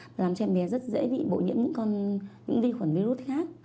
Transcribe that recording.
và làm cho em bé rất dễ bị bộ nhiễm những vi khuẩn virus khác